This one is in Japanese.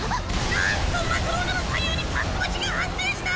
なんとマトローナの左右に竜巻が発生した！